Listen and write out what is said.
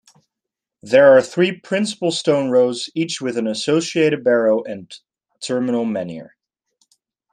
There are three principal stone rows each with an associated barrow and terminal menhir.